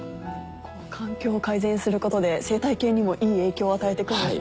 環境を改善することで生態系にもいい影響を与えて行くんですね。